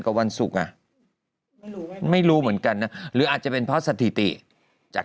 วันศุกร์อ่ะไม่รู้เหมือนกันนะหรืออาจจะเป็นเพราะสถิติจาก